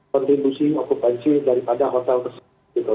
kontribusi okupansi daripada hotel tersebut